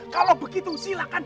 kalau begitu silahkan